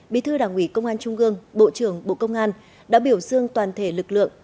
bí thư đảng ủy công an trung gương bộ trưởng bộ công an đã biểu dương toàn thể lực lượng